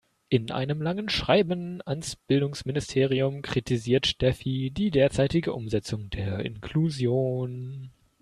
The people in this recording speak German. In einem langen Schreiben ans Bildungsministerium kritisiert Steffi die derzeitige Umsetzung der Inklusion.